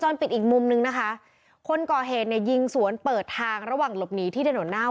ส้มปิดอีกมุมนึงนะคะคนก่อเหตุยิงสวนเปิดทางระหว่างลบนี้ที่